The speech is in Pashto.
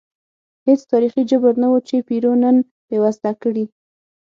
هېڅ تاریخي جبر نه و چې پیرو نن بېوزله کړي.